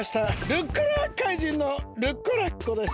ルッコラ怪人のルッコラッコです。